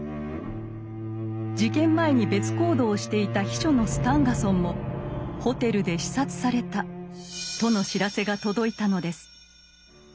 事件前に別行動をしていた秘書のスタンガソンもホテルで刺殺されたとの知らせが届いたのです。